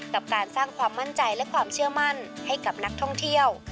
กับการสร้างความมั่นใจและความเชื่อมั่นให้กับนักท่องเที่ยว